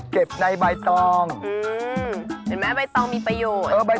แก่ท้องอึด